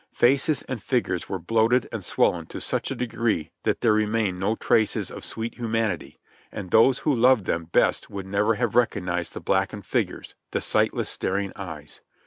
Faces and figures were bloated and swollen to such a degree that there remained no traces of sweet humanity, and those who loved them best would never have recognized the blackened features, the sightless, staring eyes.